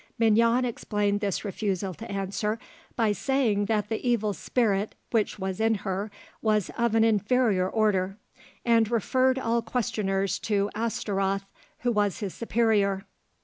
Mignon explained this refusal to answer by saying that the evil spirit which was in her was of an inferior order, and referred all questioners to Ashtaroth, who was his superior.